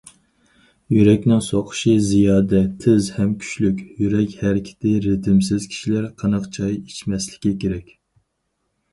يۈرەكنىڭ سوقۇشى زىيادە تېز ھەم كۈچلۈك، يۈرەك ھەرىكىتى رىتىمسىز كىشىلەر قېنىق چاي ئىچمەسلىكى كېرەك.